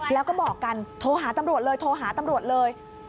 แล้วก็บอกกันโทรหาตำรวจเลยโทรหาตำรวจเลย